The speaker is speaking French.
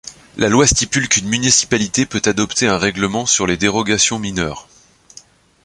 La loi stipule qu'une municipalité peut adopter un règlement sur les dérogations mineures.